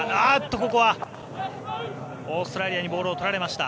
ここはオーストラリアにボールを取られました。